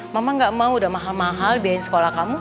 mama gak mau udah mahal mahal biayain sekolah kamu